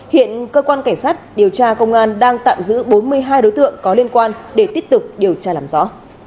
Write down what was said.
hiện cơ quan cảnh sát điều tra công an đang tạm giữ bốn mươi hai đối tượng có liên quan để tiếp tục điều tra làm rõ